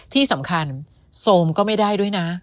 ที่สำคัญโซมก็ไม่ได้ด้วยนะ